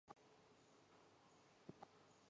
何况是主簿呢？